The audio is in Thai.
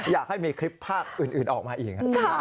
อยากให้มีคลิปภาคอื่นออกมาอีก